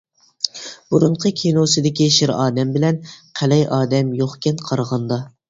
بۇرۇنقى كىنوسىدىكى شىر ئادەم بىلەن قەلەي ئادەم يوقكەن قارىغاندا.